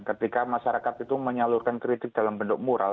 ketika masyarakat itu menyalurkan kritik dalam bentuk moral